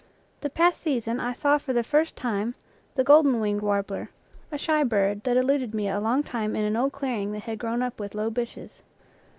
The past season I saw for the first time the golden NATURE LEAVES winged warbler a shy bird, that eluded me a long time in an old clearing that had grown up with low bushes.